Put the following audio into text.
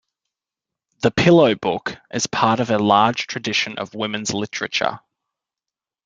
"The Pillow Book" is a part of a large tradition of women's literature.